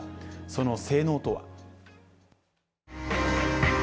その性能とは。